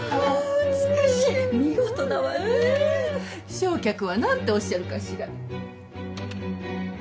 正客は何ておっしゃるかしら？